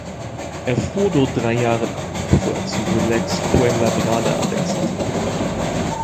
Er fuhr dort drei Jahre lang, bevor er zu Relax-Fuenlabrada wechselte.